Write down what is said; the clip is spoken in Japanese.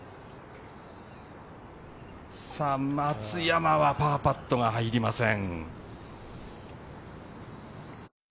松山はパーパットが入りません。